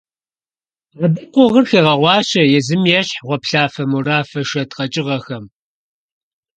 Абы къугъыр хегъэгъуащэ езым ещхь гъуэплъыфэ-морафэ шэд къэкӀыгъэхэм.